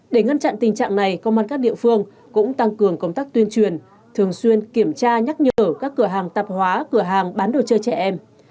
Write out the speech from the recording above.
để ngăn chặn tình trạng này công an các địa phương cũng tăng cường công tác tuyên truyền thường xuyên kiểm tra nhắc nhở các cửa hàng tạp hóa cửa hàng bán đồ chơi trẻ em